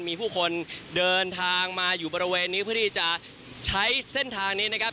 มีผู้คนเดินทางมาอยู่บริเวณนี้เพื่อที่จะใช้เส้นทางนี้นะครับ